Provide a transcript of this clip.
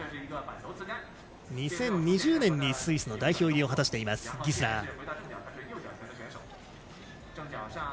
２０２０年にスイスの代表入りを果たしているギスラー。